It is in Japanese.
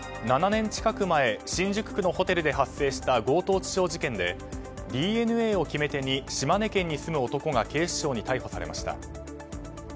７年近く前新宿区のホテルで発生した強盗致傷事件でＤＮＡをめ手に島根県に住む男が警視庁に逮捕されました。